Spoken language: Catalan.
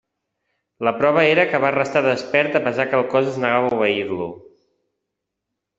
La prova era que va restar despert a pesar que el cos es negava a obeir-lo.